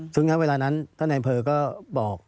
ซึ่งทั้งเวลานั้นท่านแนนเพลิกก็บอก